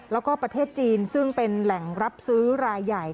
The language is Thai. แล้วก็ประเทศจีนซึ่งเป็นแหล่งรับซื้อรายใหญ่